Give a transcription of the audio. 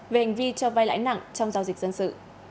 về hành vi cho vai lãi nặng trong giao dịch dân sự